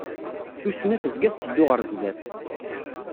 Tussna tezga tetteddu ɣer sdat.